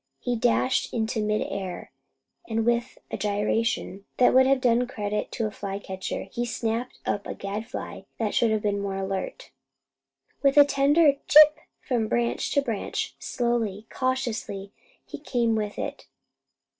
He dashed into mid air, and with a gyration that would have done credit to a flycatcher, he snapped up a gadfly that should have been more alert. With a tender "Chip!" from branch to branch, slowly, cautiously, he came with it.